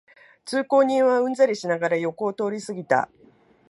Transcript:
通行人はうんざりしながら横を通りすぎた